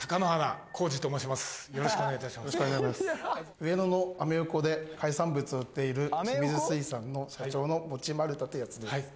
上野のアメ横で海産物を売っている清水水産の社長の持丸健康です